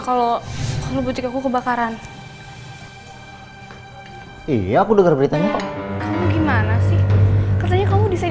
kalau kamu butik aku kebakaran iya aku dengar beritanya kok kamu gimana sih katanya kamu desain